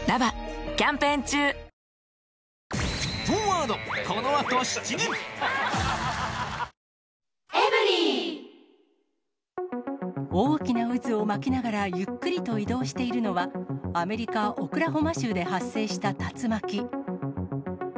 あすは傘、あったほうがいいかも大きな渦を巻きながら、ゆっくりと移動しているのは、アメリカ・オクラホマ州で発生した竜巻。